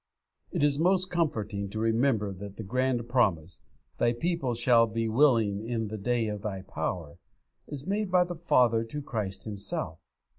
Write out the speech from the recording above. It is most comforting to remember that the grand promise, 'Thy people shall be willing in the day of Thy power,' is made by the Father to Christ Himself.